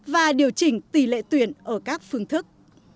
và điều chỉnh tỷ lệ tuyển ở các phương thức